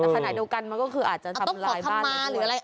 แต่ขณะเดียวกันมันก็คืออาจจะทำลายบ้านหรือด้วย